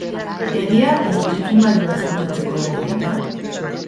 Egia edo trikimailua ezkutatzeko ahalegina?